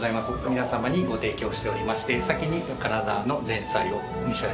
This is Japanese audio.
皆様にご提供しておりまして先に金沢の前菜をお召し上がり頂きます。